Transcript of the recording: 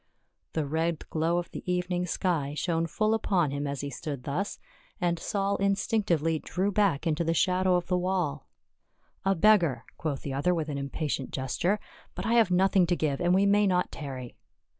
The red glow of the evening sky shone full upon him as he stood thus, and Saul instinctively drew back into the shadow of the wall. " A beggar !" quoth the other with an impatient ges ture. " But I have nothing to give, and we may not tarry."